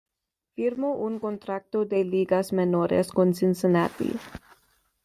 Firmó un contrato de ligas menores con Cincinnati.